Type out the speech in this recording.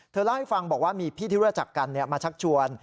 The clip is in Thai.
เล่าให้ฟังบอกว่ามีพี่ที่รู้จักกันมาชักชวน